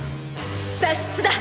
脱出だ！